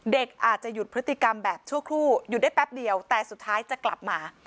เด็กอาจจะหยุดพฤติกรรมแบบชั่วครู่หยุดได้แป๊บเดียวแต่สุดท้ายจะกลับมา